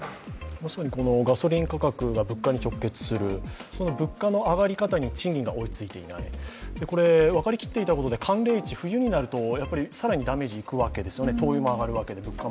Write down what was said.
ガソリン価格が物価に直結する、物価の上がり方に賃金が追いついていない、これ分かりきっていたことで、寒冷地、冬になるとさらにダメージがくるわけですね、灯油が上がる。